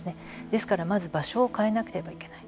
ですから、まず場所を変えなくてはいけない。